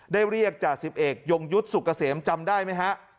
ได้เรียกจ่า๑๑ยงยุทธ์สุขเกษมจำได้ไหมฮะ